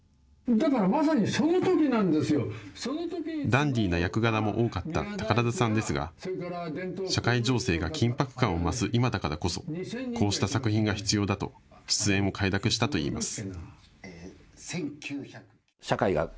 ダンディーな役柄も多かった宝田さんですが社会情勢が緊迫感を増す今だからこそ、こうした作品が必要だと出演を快諾したといいます。